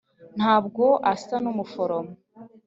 ntabwo asa n'umuforomo.